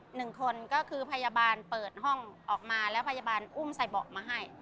หนึ่งคนก็คือพยาบาลเปิดห้องออกมาแล้วพยาบาลอุ้มใส่เบาะมาให้